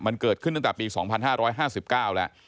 มันเกิดขึ้นตั้งแต่ปี๒๕๕๙แล้ว